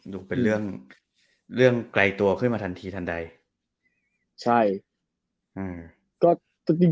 ดูเป็นเรื่องไกลตัวขึ้นมาทันทีทันใด